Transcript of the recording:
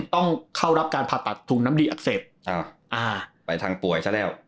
ต้องเข้ารับการผ่าตัดถุงน้ำดีอักเสบไปทางป่วยซะแล้ว